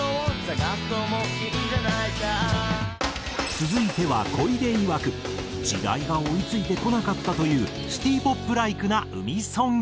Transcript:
続いては小出いわく時代が追い付いてこなかったというシティ・ポップライクな海ソング。